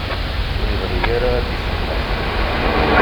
Ur ibɣi ara ad d-isemḥes.